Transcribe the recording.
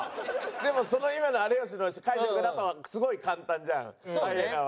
でもその今の有吉の解釈だとすごい簡単じゃんハイエナは。